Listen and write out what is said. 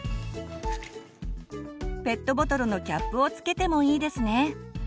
ペットボトルのキャップを付けてもいいですね。